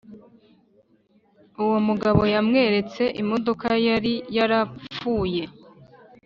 uwo mugabo yamweretse imodoka yari yarapfuye